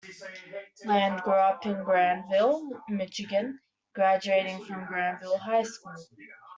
Land grew up in Grandville, Michigan, graduating from Grandville High School.